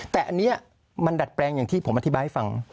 แต่อันนี้มันดัดแปลงอย่างที่ผมอธิบายให้ฟัง